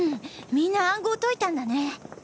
みんな暗号解いたんだね！